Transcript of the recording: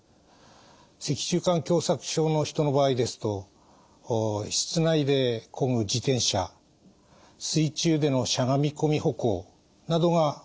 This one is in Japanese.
脊柱管狭さく症の人の場合ですと室内でこぐ自転車水中でのしゃがみこみ歩行などがおすすめです。